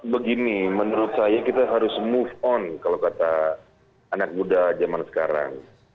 begini menurut saya kita harus move on kalau kata anak muda zaman sekarang